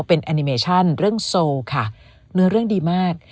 เป็นแอนิเมชั่นเรื่องโซลค่ะเนื้อเรื่องดีมาก